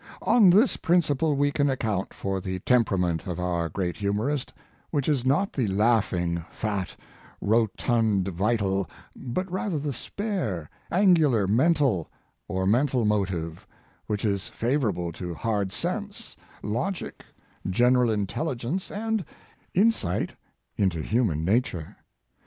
On this principle we can account for the temperament of our great humorist, which is not the laughing, fat, rotund vital, but rather the spare, angular men tal, or mental motive, which is favorable to hard sense, logic, general intelligence and insight into human nature.